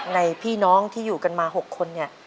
ในพี่น้องที่อยู่กันมา๖คน